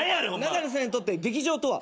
ナダルさんにとって劇場とは？